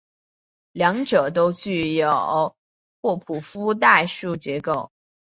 两者都具有霍普夫代数结构。